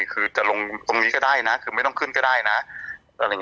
คือจะลงตรงนี้ก็ได้นะคือไม่ต้องขึ้นก็ได้นะอะไรอย่างนี้